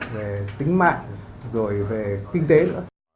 về tính mạng